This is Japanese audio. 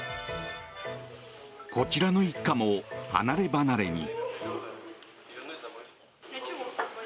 こちらの一家も離ればなれに。